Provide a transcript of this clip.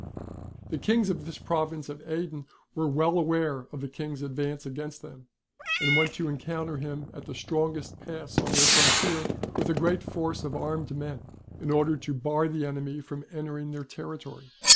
The Kings of this province of Aden were well aware of the King's advance against them, and went to encounter him at the strongest pass on their frontier, with a great force of armed men, in order to bar the enemy from entering their territory.